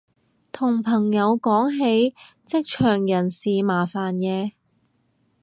同朋友講起職場人事麻煩嘢